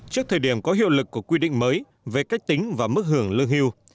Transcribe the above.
trước thời điểm có hiệu lực của quy định mới về cách tính và mức hưởng lương hưu